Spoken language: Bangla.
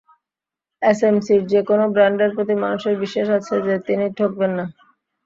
এসএমসির যেকোনো ব্র্যান্ডের প্রতি মানুষের বিশ্বাস আছে যে, তিনি ঠকবেন না।